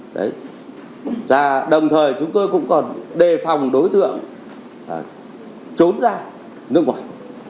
đấy và đồng thời chúng tôi cũng còn đề phòng đối tượng trốn ra nước ngoài